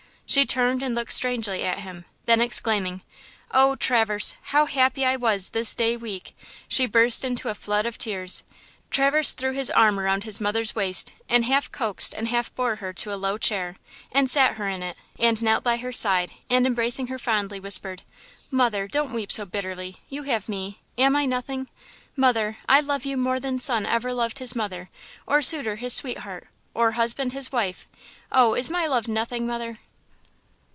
She turned and looked strangely at him, then exclaiming: "Oh, Traverse, how happy I was this day week!" She burst into a flood of tears. Traverse threw his arm around his mother's waist and half coaxed and half bore her to her low chair and sat her in it and knelt by her side and, embracing her fondly, whispered: "Mother, don't weep so bitterly! You have me; am I nothing? Mother, I love you more than son ever loved his mother, or suitor his sweetheart, or husband his wife! Oh! is my love nothing, mother?"